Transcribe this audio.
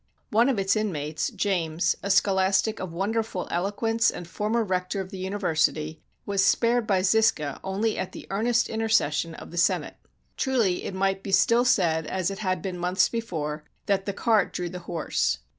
One of its inmates, James, a scholastic of wonderful eloquence, and former rector of the university, was spared by Zisca only at the earnest intercession of the senate. Truly it might be still said, as it had been months before, that "the cart drew the horse."